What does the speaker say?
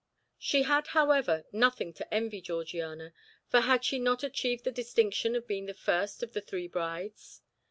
She had, however, nothing to envy Georgiana, for had she not achieved the distinction of being the first of the three brides?